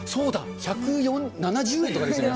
１７０円とかですね。